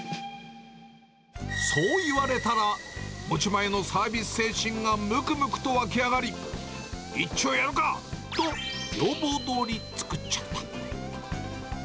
そう言われたら、持ち前のサービス精神がむくむくと湧き上がり、一丁やるかと、要望どおり作っちゃった。